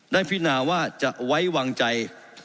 ได้พิจารณาว่าจะไว้วางใจ